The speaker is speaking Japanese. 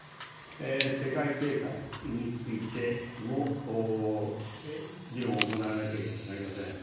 世界経済についても議論を行わなければなりません。